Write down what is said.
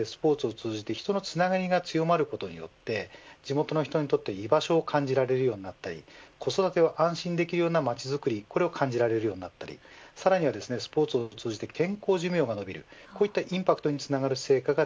具体的には地域の中でスポーツを通じて人のつながりが強まることによって地元の人にとって居場所を感じられるようになったり子育てを安心できるようなまちづくりを感じられるようになったりスポーツを通じて健康寿命が延びる